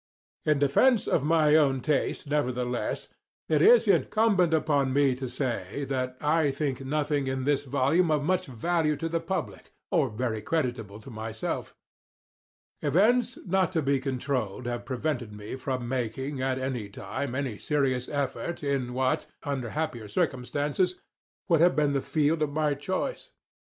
In defence of my own taste, nevertheless, it is incumbent upon me to say that I think nothing in this volume of much value to the public, or very creditable to myself. Events not to be controlled have prevented me from making, at any time, any serious effort in what, under happier circumstances, would have been the field of my choice.